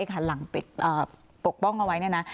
เอ็กซ์หันหลังปกป้องเอาไว้นี่นะ